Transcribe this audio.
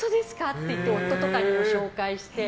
って言って夫とかにも紹介して。